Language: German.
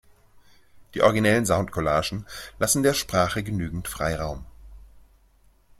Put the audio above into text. Die originellen Sound-Collagen lassen der Sprache genügend Freiraum.